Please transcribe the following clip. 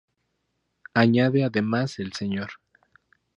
Añade además el Sr.